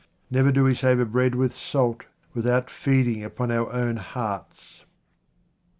Never do we savour bread with salt without feeding upon our own hearts.